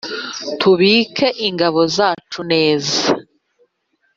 tubike ingabo zacu neza,